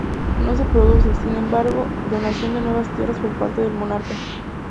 No se produce, sin embargo, donación de nuevas tierras por parte del monarca.